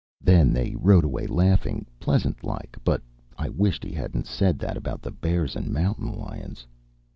Then they rode away laughing, pleasant like; but I wished he hadn't said that about the bears and mountain lions.